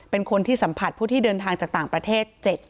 เป็นคนที่สัมผัสผู้ที่เดินทางจากต่างประเทศ